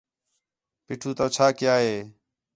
پیٹھو تو چھا کیا ہے